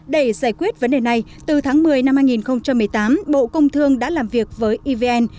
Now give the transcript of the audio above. để giải quyết vấn đề này từ tháng một mươi năm hai nghìn một mươi tám bộ công thương đã làm việc với evn